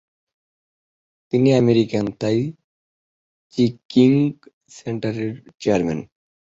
তিনি American tai chi qigong সেন্টারের chairman.